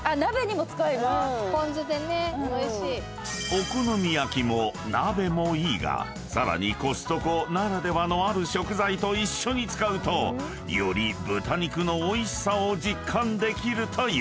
［お好み焼きも鍋もいいがさらにコストコならではのある食材と一緒に使うとより豚肉のおいしさを実感できるという］